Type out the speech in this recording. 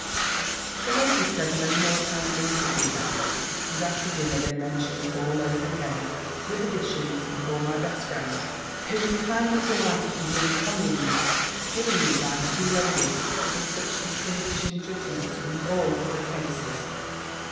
The ladies said many more kind things of me then; and after dinner they mentioned all over again, with additions, before my best friend, who was kindly delighted with the encomiums given me by two ladies of such distinguishing judgment in all other cases.